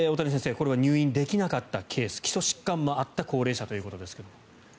これは入院できなかったケース基礎疾患もあった高齢者ということですが。